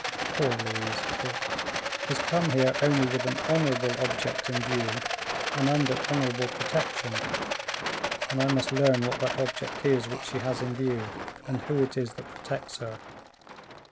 "Poor Louise," he thought, "has come here only with an honorable object in view, and under honorable protection; and I must learn what that object is which she has in view, and who it is that protects her."